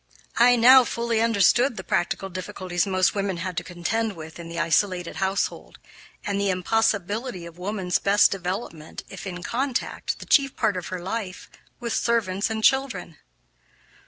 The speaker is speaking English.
I now fully understood the practical difficulties most women had to contend with in the isolated household, and the impossibility of woman's best development if in contact, the chief part of her life, with servants and children.